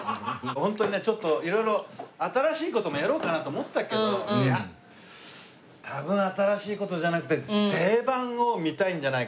ホントにねちょっと色々新しい事もやろうかなと思ったけどいや多分新しい事じゃなくて定番を見たいんじゃないかと。